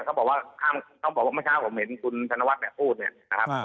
ต้องบอกว่าเมื่อเช้าผมเห็นคุณธนวัฒน์เนี่ยพูดเนี่ย